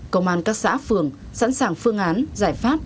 công an các xã phường sẵn sàng phương án giải pháp